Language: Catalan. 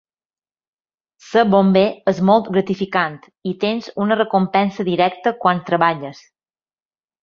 Ser bomber és molt gratificant i tens una recompensa directa quan treballes.